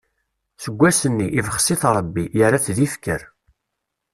Seg wass-nni, ibxes-it Rebbi, yerra-t d ifker.